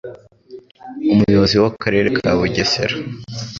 Umuyobozi w'Akarere ka Bugesera,